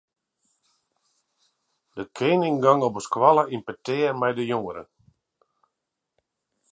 De kening gong op de skoalle yn petear mei de jongeren.